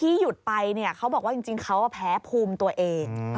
ที่หยุดไปเขาบอกว่าจริงเขาแพ้ภูมิตัวเอง